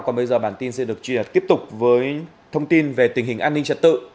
còn bây giờ bản tin sẽ được truyền tiếp tục với thông tin về tình hình an ninh trật tự